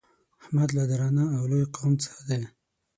احمد له درانه او لوی قوم څخه دی.